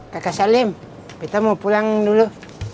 kakak salim kita mau pulang dulu